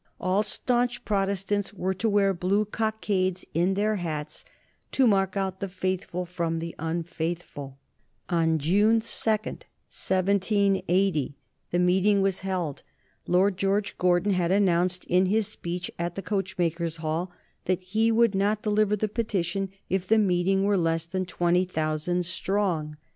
All stanch Protestants were to wear blue cockades in their hats to mark out the faithful from the unfaithful. [Sidenote: 1780 The Lord George Gordon riots] On June 2, 1780, the meeting was held. Lord George Gordon had announced in his speech at the Coachmakers' Hall that he would not deliver the petition if the meeting were less than twenty thousand strong.